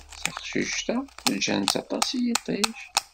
Taqcict-a ǧǧan-tt aṭas i yiṭij.